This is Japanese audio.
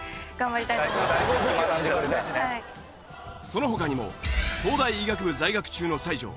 その他にも東大医学部在学中の才女